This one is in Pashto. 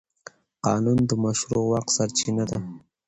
قانون د مشروع واک سرچینه ده.